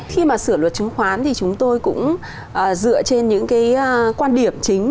khi mà sửa luật chứng khoán thì chúng tôi cũng dựa trên những cái quan điểm chính